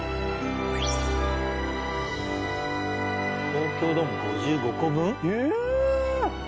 東京ドーム５５個分！？